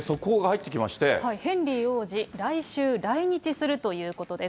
ヘンリー王子、来週、来日するということです。